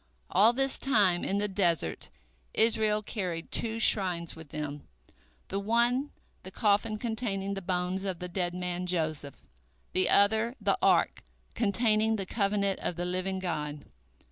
" All this time in the desert Israel carried two shrines with them, the one the coffin containing the bones of the dead man Joseph, the other the Ark containing the covenant of the Living God.